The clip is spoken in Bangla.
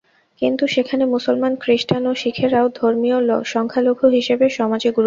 কিন্তু সেখানে মুসলমান, খ্রিষ্টান ও শিখেরাও ধর্মীয় সংখ্যালঘু হিসেবে সমাজে গুরুত্বপূর্ণ।